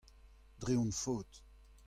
dre hon faot.